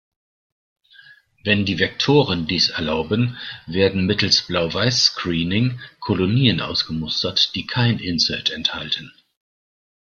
Wenn die Vektoren dies erlauben, werden mittels Blau-Weiß-Screening Kolonien ausgemustert, die kein Insert enthalten.